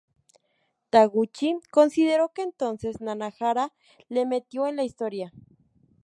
Taguchi consideró que entonces Nanahara le metió en la historia.